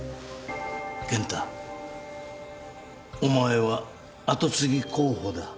健太お前は跡継ぎ候補だ。